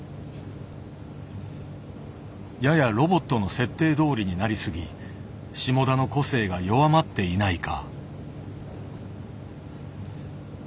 ややロボットの設定どおりになりすぎ下田の個性が弱まっていないか。